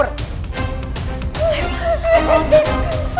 reva jangan disini reva